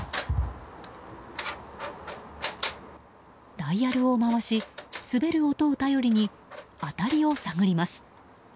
ダイヤルを回し、滑る音を頼りに当たりを探ります。